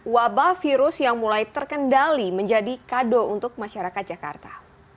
wabah virus yang mulai terkendali menjadi kado untuk masyarakat jakarta